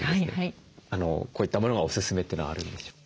こういったものがおすすめというのはあるんでしょうか？